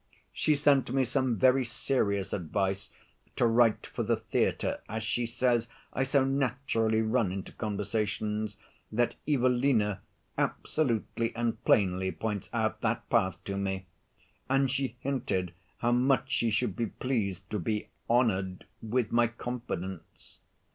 She sent me some very serious advice to write for the theatre, as she says I so naturally run into conversations that 'Evelina' absolutely and plainly points out that path to me; and she hinted how much she should be pleased to be "honored with my confidence."